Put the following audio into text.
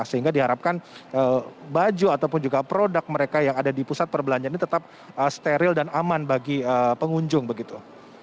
sehingga diharapkan baju ataupun juga produk mereka yang ada di pusat perbelanjaan ini tetap steril dan aman bagi pengunjung begitu